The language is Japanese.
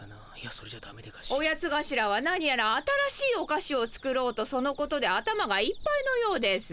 オヤツがしらはなにやら新しいおかしを作ろうとそのことで頭がいっぱいのようです。